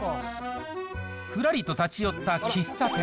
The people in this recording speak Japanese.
ふらりと立ち寄った喫茶店。